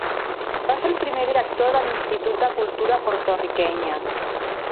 Va ser el primer director de l'Institut de Cultura Porto-riquenya.